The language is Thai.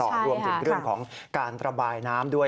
รวมถึงเรื่องของการระบายน้ำด้วย